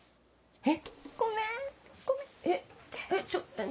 えっ？